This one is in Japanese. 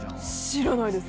知らないです。